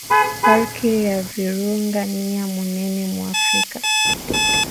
Parque ya virunga niya munene mu afrika